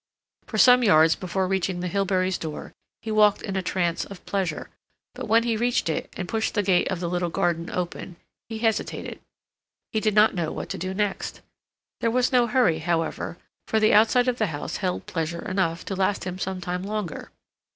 For some yards before reaching the Hilberys' door he walked in a trance of pleasure, but when he reached it, and pushed the gate of the little garden open, he hesitated. He did not know what to do next. There was no hurry, however, for the outside of the house held pleasure enough to last him some time longer.